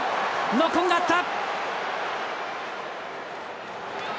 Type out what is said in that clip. ノックオンがあった。